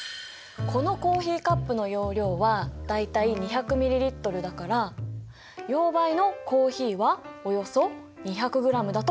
このコーヒーカップの容量は大体２００ｍＬだから溶媒のコーヒーはおよそ２００ｇだと考えて。